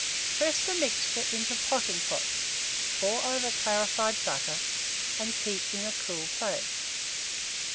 Press the mixture into potting pots, pour over clarified butter, and keep it in a cool place.